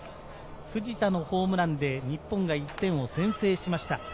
藤田のホームランで日本が１点を先制しました。